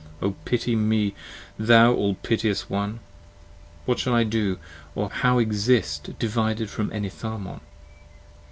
O pity me, thou all piteous one! What shall I do! or how exist, divided from Enitharmon?